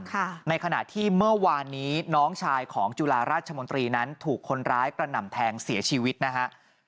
ค่ะในขณะที่เมื่อวานนี้น้องชายของจุฬาราชมนตรีนั้นถูกคนร้ายกระหน่ำแทงเสียชีวิตนะฮะ